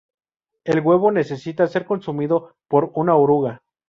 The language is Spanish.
El huevo necesita ser consumido por una oruga.